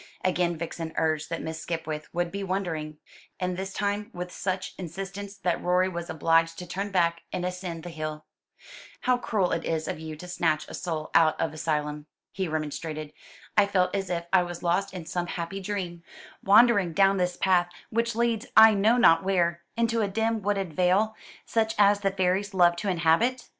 Again Vixen urged that Miss Skipwith would be wondering, and this time with such insistence, that Rorie was obliged to turn back and ascend the hill. "How cruel it is of you to snatch a soul out of Elysium," he remonstrated. "I felt as if I was lost in some happy dream wandering down this path, which leads I know not where, into a dim wooded vale, such as the fairies love to inhabit?"